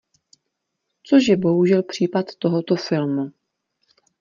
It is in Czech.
Což je bohužel případ tohoto filmu.